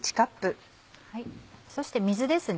そして水ですね。